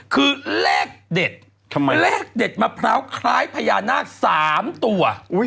คือเลขเด็ดเลขเด็ดมะพร้าวคล้ายพญานาค๓ตัว